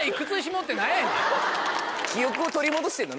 記憶を取り戻してんの？